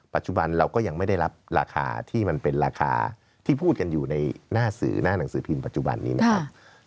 ปัจจุบันเราก็ยังไม่ได้รับราคาที่มันเป็นราคาที่พูดกันอยู่ในหน้าสื่อหน้าหนังสือพิมพ์ปัจจุบันนี้นะครับ